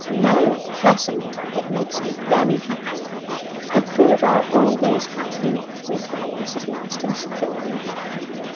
'No, Pleasant. It makes me very happy.' 'The good are always happy,' replied Mrs. Marston securely.